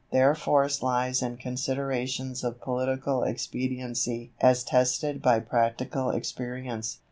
Their force lies in considerations of political expediency as tested by practical experience.